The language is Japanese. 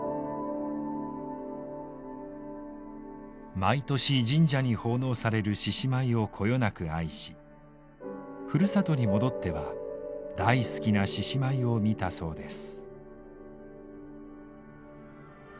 毎年神社に奉納される獅子舞をこよなく愛しふるさとに戻っては大好きな獅子舞を見たそうです。よ！